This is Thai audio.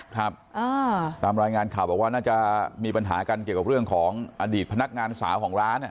ครับตามรายงานข่าวบอกว่าน่าจะมีปัญหากันเกี่ยวกับเรื่องของอดีตพนักงานสาวของร้าน